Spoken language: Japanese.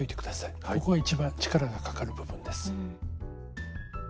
ここが一番力がかかる部分です。